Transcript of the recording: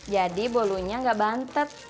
jadi bolunya enggak bantet